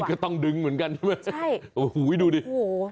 นี่ก็ต้องดึงเหมือนกันใช่ไหมโอ้โหดูดิโอ้โห